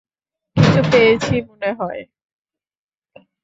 কিছু পেয়েছি মনেহয়।